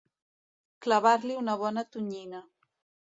Clavar-li una bona tonyina.